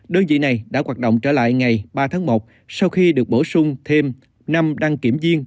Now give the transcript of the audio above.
đơn vị này đã hoạt động trở lại ngày ba tháng một sau khi được bổ sung thêm năm đăng kiểm viên